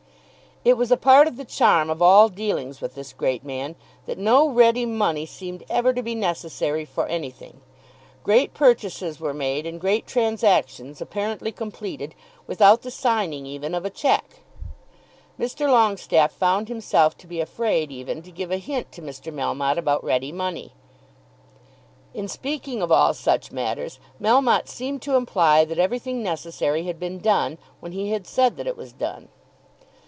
It was a part of the charm of all dealings with this great man that no ready money seemed ever to be necessary for anything. Great purchases were made and great transactions apparently completed without the signing even of a cheque. Mr. Longestaffe found himself to be afraid even to give a hint to Mr. Melmotte about ready money. In speaking of all such matters Melmotte seemed to imply that everything necessary had been done, when he had said that it was done.